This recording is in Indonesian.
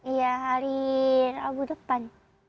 iya hari rabu depan